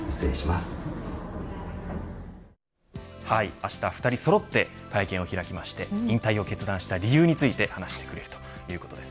あした、２人そろって会見を開きまして引退を決断した理由について話してくれるということです。